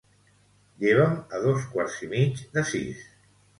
Lleva'm a dos quarts i mig de sis.